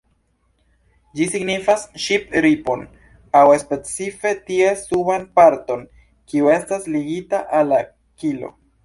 Ĝi signifas ŝip-ripon aŭ specife ties suban parton, kiu estas ligita al la kilo.